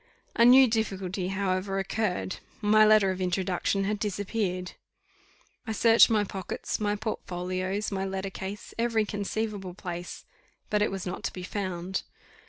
A new difficulty, however, occurred: my letter of introduction had disappeared. I searched my pockets, my portfolios, my letter case, every conceivable place, but it was not to be found.